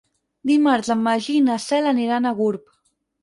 Dimarts en Magí i na Cel aniran a Gurb.